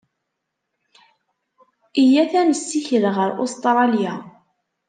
Iyyat ad nessikel ɣer Ustṛalya.